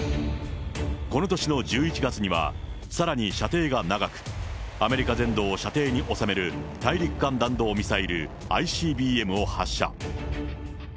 この年の１１月には、さらに射程が長く、アメリカ全土を射程に収める大陸間弾道ミサイル・ＩＣＢＭを発射。